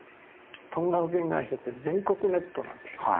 損害保険会社って全国ネットなんですよ。